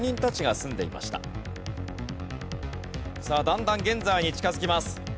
さあだんだん現在に近づきます。